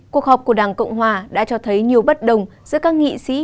cuộc họp của đảng cộng hòa đã cho thấy nhiều bất đồng giữa các nghị sĩ